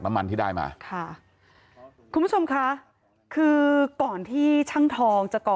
น้ำมันที่ได้มาค่ะคุณผู้ชมค่ะคือก่อนที่ช่างทองจะก่อ